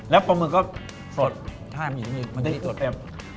แล้วปลาหมึกก็สดชาติมีอีกนิดนึงมีความเต้นอีกนิดนึง